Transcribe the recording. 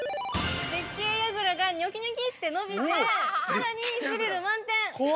絶景やぐらが、にょきにょきって伸びて、さらにスリル満点！